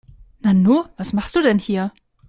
Nanu, was machst du denn hier?